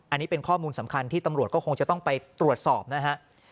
อันนี้เป็นข้อมูลสำคัญที่ตำรวจก็คงจะต้องไปตรวจสอบนะฮะ